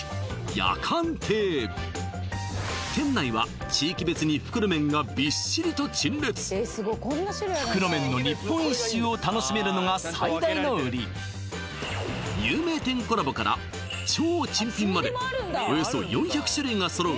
やかん亭店内は地域別に袋麺がびっしりと陳列のが最大のウリ有名店コラボから超珍品までおよそ４００種類が揃う